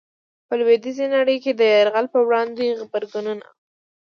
په لويديځي نړۍ کي د يرغل په وړاندي غبرګونونه